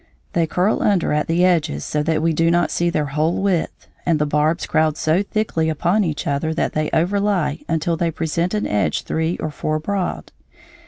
They curl under at the edges so that we do not see their whole width, and the barbs crowd so thickly upon each other that they over lie until they present an edge three or four broad.